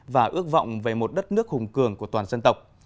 và ước vọng về một đất nước hùng cường của toàn dân tộc